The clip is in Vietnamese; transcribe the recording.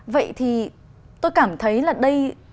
vậy thì tôi cảm thấy là đây